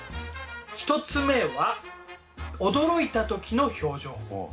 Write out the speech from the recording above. １つ目は驚いた時の表情。